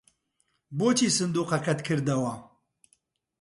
بۆچی سندووقەکەت کردەوە؟